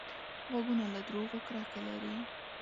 غوږونه له دروغو کرکه لري